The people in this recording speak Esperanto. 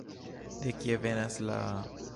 De kie venas la...